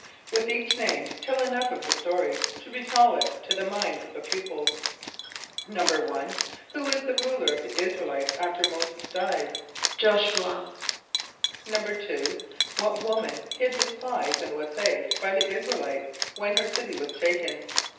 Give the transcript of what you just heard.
(With each name, tell enough of the story to recall it to the minds of the pupils.) =1.= Who was the ruler of the [)I][s+]´ra el [=i]tes after M[=o]´[s+]e[s+] died? =J[)o]sh´u [.a].= =2.= What woman hid the spies and was saved by the [)I][s+]´ra el [=i]tes when her city was taken?